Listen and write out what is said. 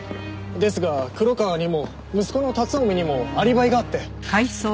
ですが黒川にも息子の龍臣にもアリバイがあって。